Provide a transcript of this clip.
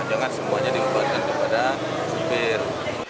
jangan semua jadi muatan kepada sopir